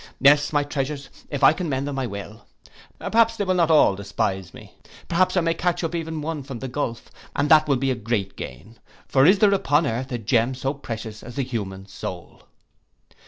Yes, my treasures, if I can mend them I will; perhaps they will not all despise me. Perhaps I may catch up even one from the gulph, and, that will be great gain; for is there upon earth a gem so precious as the human soul?